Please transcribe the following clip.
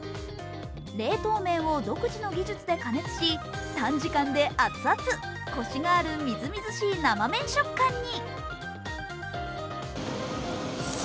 冷凍麺を独自の技術で加熱し、短時間で熱々、コシがあるみずみずしい生麺食感に。